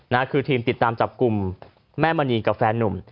นะคือทีมติดตามจับกลุ่มแม่มณีกับแฟนนุ่ม